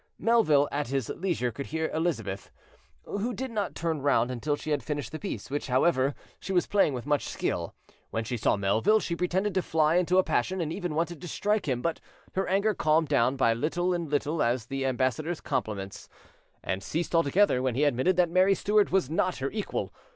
Melville at his leisure could hear Elizabeth, who did not turn round until she had finished the piece, which, however, she was playing with much skill. When she saw Melville, she pretended to fly into a passion, and even wanted to strike him; but her anger calmed down by little and little at the ambassador's compliments, and ceased altogether when he admitted that Mary Stuart was not her equal.